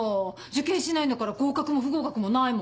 受験しないんだから合格も不合格もないもん。